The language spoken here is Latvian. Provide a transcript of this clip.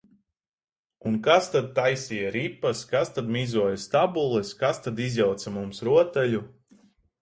Un kas tad taisīja ripas, kas tad mizoja stabules, kas tad izjauca mums rotaļu?